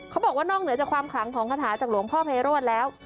บอกว่านอกเหนือจากความขลังของคาถาจากหลวงพ่อไพโรธแล้ว